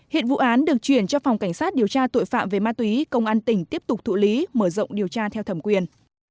hiện vụ án được chuyển cho phòng cảnh sát điều tra tội phạm về ma túy công an tỉnh tiếp tục thụ lý mở rộng điều tra theo thẩm quyền